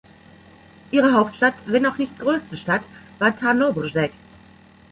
Ihre Hauptstadt, wenn auch nicht größte Stadt, war Tarnobrzeg.